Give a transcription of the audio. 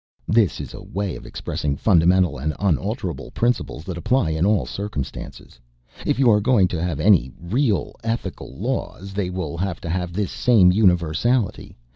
This is a way of expressing fundamental and unalterable principles that apply in all circumstances. If you are going to have any real ethical laws they will have to have this same universality.